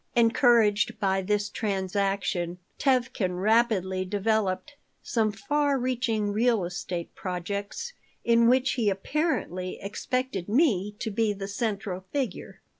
Encouraged by this transaction, Tevkin rapidly developed some far reaching real estate projects in which he apparently expected me to be the central figure.